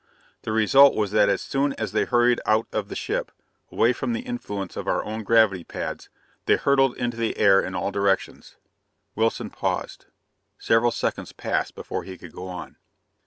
The result was that as soon as they hurried out of the ship, away from the influence of our own gravity pads, they hurtled into the air in all directions." Wilson paused. Several seconds passed before he could go on.